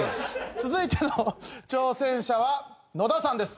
続いての挑戦者は野田さんです。